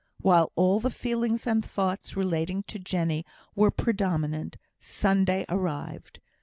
While all the feelings and thoughts relating to Jenny were predominant, Sunday arrived.